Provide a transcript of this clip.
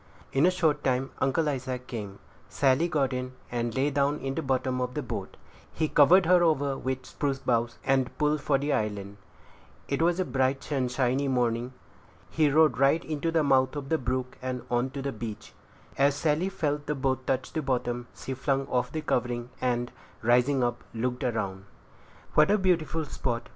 In a short time Uncle Isaac came. Sally got in, and lay down in the bottom of the boat; he covered her over with spruce boughs, and pulled for the island. It was a bright, sunshiny morning. He rowed right into the mouth of the brook, and on to the beach. As Sally felt the boat touch the bottom, she flung off the covering, and, rising up, looked around her. "What a beautiful spot!"